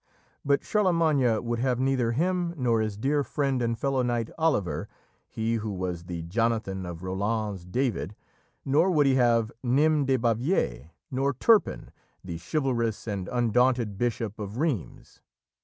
But Charlemagne would have neither him nor his dear friend and fellow knight, Oliver he who was the Jonathan of Roland's David nor would he have Naismes de Bavière, nor Turpin, "the chivalrous and undaunted Bishop of Rheims."